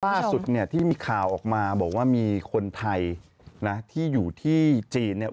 ล่าสุดที่มีข่าวออกมาบอกว่ามีคนไทยที่อยู่ที่จีน